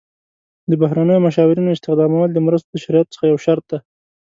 د بهرنیو مشاورینو استخدامول د مرستو د شرایطو څخه یو شرط دی.